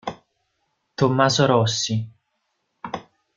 Tommaso Rossi.